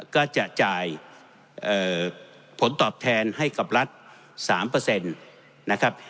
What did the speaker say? ก็จะจ่ายเอ่อผลตอบแทนให้กับรัฐสามเปอร์เซ็นต์นะครับ